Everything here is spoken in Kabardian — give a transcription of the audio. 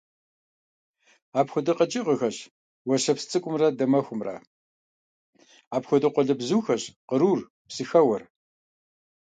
Апхуэдэ къэкӀыгъэхэщ уэсэпсцӀыкӀумрэ дамэхумрэ; апхуэдэ къуалэбзухэщ кърур, псыхэуэр.